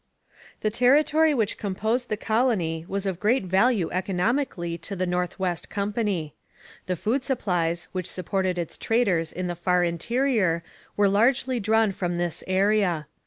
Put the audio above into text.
The territory which comprised the colony was of great value economically to the North West Company. The food supplies which supported its traders in the far interior were largely drawn from this area.